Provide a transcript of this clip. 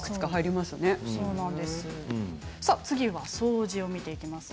次は掃除を見ていきましょう。